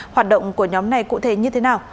hoạt động của nhóm này cụ thể như thế nào